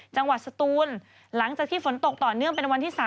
สตูนหลังจากที่ฝนตกต่อเนื่องเป็นวันที่๓